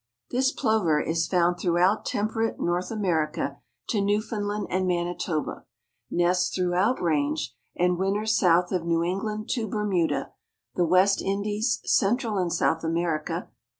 This plover is found throughout temperate North America to Newfoundland and Manitoba, nests throughout range, and winters south of New England to Bermuda, the West Indies, Central and South America.